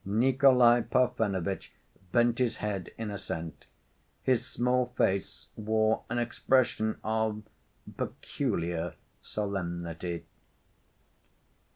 Nikolay Parfenovitch bent his head in assent. His small face wore an expression of peculiar solemnity.